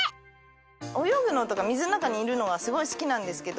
泳ぐのとか水の中にいるのはすごい好きなんですけど。